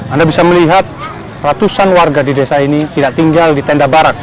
anda bisa melihat ratusan warga di desa ini tidak tinggal di tenda barat